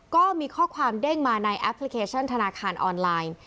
ก็มีข้อความเด้งมาในแอปพลิเคชันธนาคารออนไลน์